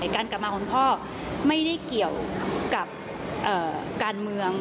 การกลับมาของคุณพ่อไม่ได้เกี่ยวกับการเมือง